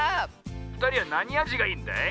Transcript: ふたりはなにあじがいいんだい？